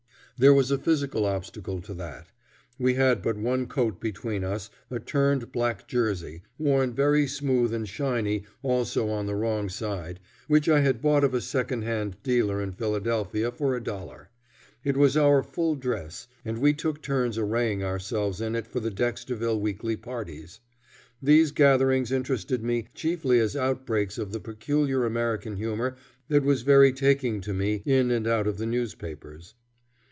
There was a physical obstacle to that. We had but one coat between us, a turned black kersey, worn very smooth and shiny also on the wrong side, which I had bought of a second hand dealer in Philadelphia for a dollar. It was our full dress, and we took turns arraying ourselves in it for the Dexterville weekly parties. These gatherings interested me chiefly as outbreaks of the peculiar American humor that was very taking to me, in and out of the newspapers.